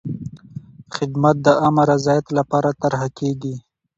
خدمت د عامه رضایت لپاره طرحه کېږي.